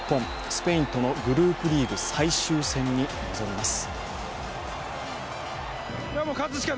スペインとのグループリーグ最終戦に臨みます。